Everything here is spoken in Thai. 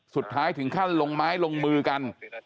สุดท้ายถึงขั้นลงไม้ลงมือกัน